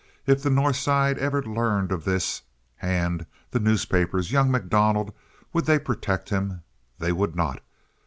If the North Side ever learned of this—Hand, the newspapers, young MacDonald—would they protect him? They would not.